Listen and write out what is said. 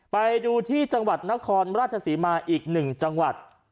ไปดูที่จังหวัดนครราชศรีมาอีกหนึ่งจังหวัด